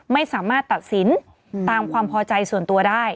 ไม่สามารถตัดสินตามความพอใจส่วนตัวได้